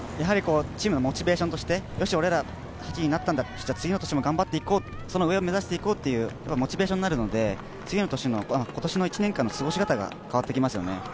チームのモチベーションとしてよし、俺ら８位になったんだ、次の年も頑張っていこう、その上を目指していこうというモチベーションになるので、今年の１年間の過ごし方が変わってきますよね。